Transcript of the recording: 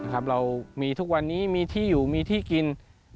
เรามีทุกวันนี้มีที่อยู่มีที่กิน